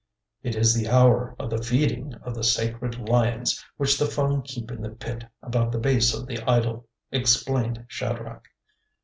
"It is the hour of the feeding of the sacred lions which the Fung keep in the pit about the base of the idol," explained Shadrach.